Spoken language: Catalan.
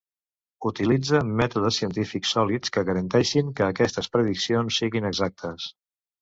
Utilitza mètodes científics sòlids que garanteixin que aquestes prediccions siguin exactes.